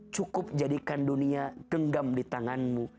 cukup jadikan dunia genggam di tanganmu